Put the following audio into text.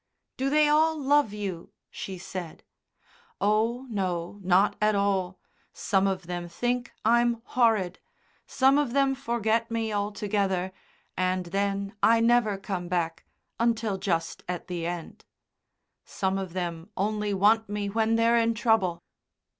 "Do they all love you?" she said. "Oh, no, not at all. Some of them think I'm horrid. Some of them forget me altogether, and then I never come back, until just at the end. Some of them only want me when they're in trouble.